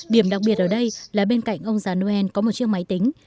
điểm đặc biệt ở đây là bên cạnh ông già noel có một chiếc máy tính